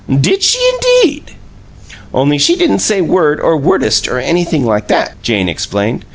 "Did she, indeed!" "Only she didn't say word or wordest or anything like that," Jane explained.